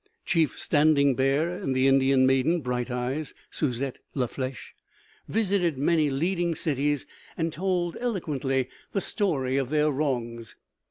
Chief Standing Bear and the Indian maiden Bright Eyes (Susette La Flesche) visited many leading cities and told eloquently the story of their wrongs.